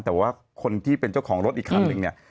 แต่ว่าคนที่เป็นเจ้าของรถอีกคันนึงเนี่ย